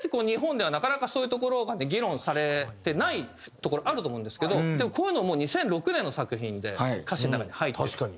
日本ではなかなかそういうところがね議論されてないところあると思うんですけどでもこういうのもう２００６年の作品で歌詞の中に入ってる。